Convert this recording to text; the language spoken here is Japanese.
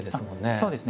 そうですね。